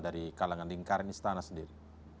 dari kalangan lingkaran istana sendiri